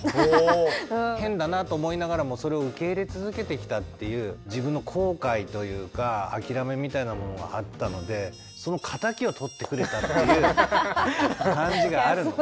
変だなと思いながらもそれを受け入れ続けてきたっていう自分の後悔というか諦めみたいなものがあったのでっていう感じがあるの。